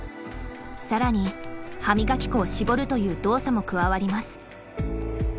更に歯磨き粉を絞るという動作も加わります。